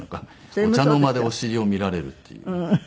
お茶の間でお尻を見られるっていう。